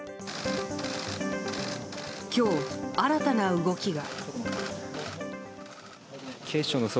今日、新たな動きが。